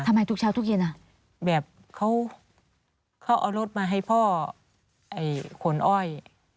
ทุกเช้าทุกเย็นแบบเขาเอารถมาให้พ่อขนอ้อย